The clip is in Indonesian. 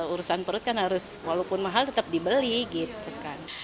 urusan perut kan harus walaupun mahal tetap dibeli gitu kan